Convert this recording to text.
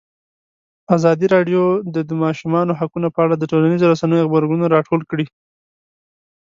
ازادي راډیو د د ماشومانو حقونه په اړه د ټولنیزو رسنیو غبرګونونه راټول کړي.